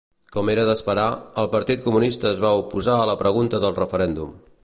Com era d'esperar, el Partit Comunista es va oposar a la pregunta del referèndum.